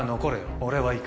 俺は行く。